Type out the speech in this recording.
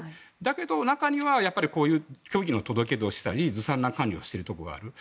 でも中にはこういう虚偽の届をしたりずさんな管理をしているところがある。